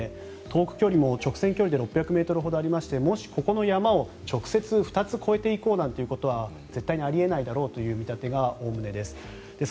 遠く、距離も直線距離で６００ｍほどありましてもし、ここの山を直接２つ越えていこうなんてことは絶対にあり得ないだろうという見立てがおおむねです。